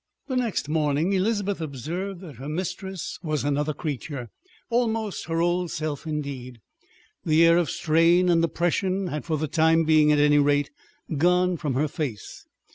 The next morning Elizabeth observed that her mistress was another creature, almost her old self indeed. The air of strain and oppression had, for the time being at any rate, gone from her face.